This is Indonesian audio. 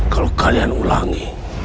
kalau kalian ulangi